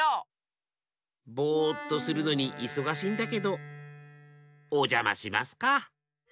ぼっとするのにいそがしいんだけどおじゃましますか！